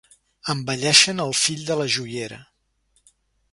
Embelleixen el fill de la joiera.